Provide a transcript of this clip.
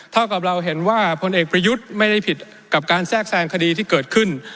เท่ากับเราเห็นว่าพลเอกประยุทธ์ไม่ได้ผิดกับการแทรกแทรงคดีที่เกิดขึ้น